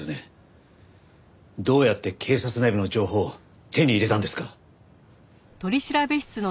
どうやって警察内部の情報を手に入れたんですか？